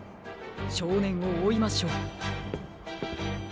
しょうねんをおいましょう。